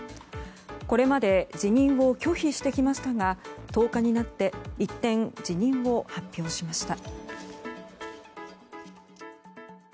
これまで辞任を拒否してきましたが１０日になって一転、辞任を発表しました。